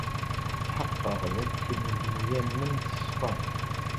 Tḥeqqeɣ dakken nneyya-nnem teṣfa.